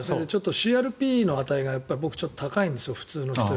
ＣＲＰの値が僕、ちょっと高いんです。